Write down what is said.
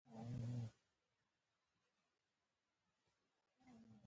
هغه ډوډۍ خوري.